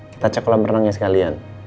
kita cek kolam renangnya sekalian